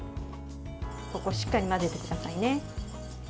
ここ、しっかり混ぜてくださいね。